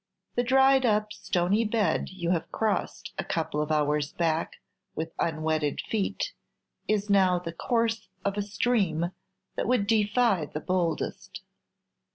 The dried up stony bed you have crossed a couple of hours back with unwetted feet is now the course of a stream that would defy the boldest.